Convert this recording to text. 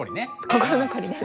心残りです。